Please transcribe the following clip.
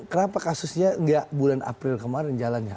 kenapa kasusnya nggak bulan april kemarin jalannya